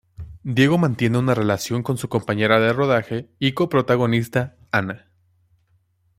Diego mantiene una relación con su compañera de rodaje y co-protagonista, Ana.